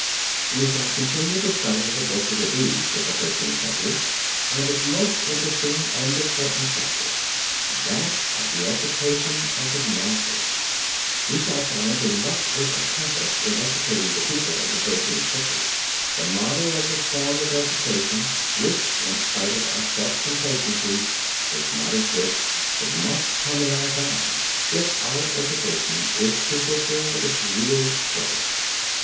We shall continue the study of the book of the deeds of the Thirteenth Century and its most interesting and important chapter, that of the education of the masses. We shall find in what was accomplished in educating the people of the Thirteenth Century, the model of the form of education which in spite of our self complacency does not exist, but must come in our time, if our education is to fulfill its real purpose.